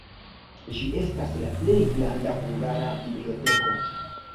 Ĝi estas la plej granda hungara biblioteko.